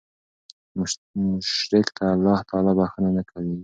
مشرک ته الله تعالی بخښنه نه کوي